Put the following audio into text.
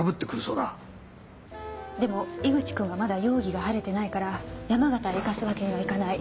でも井口君はまだ容疑が晴れてないから山形へ行かすわけにはいかない。